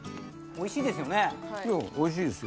おいしいですよね？